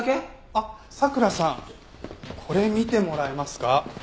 あっ佐倉さんこれ見てもらえますか？